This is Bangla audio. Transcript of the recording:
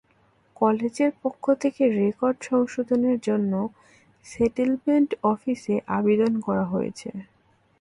কলেজের পক্ষ থেকে রেকর্ড সংশোধনের জন্য সেটেলমেন্ট অফিসে আবেদন করা হয়েছে।